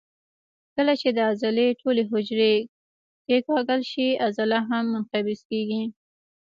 کله چې د عضلې ټولې حجرې کیکاږل شي عضله هم منقبض کېږي.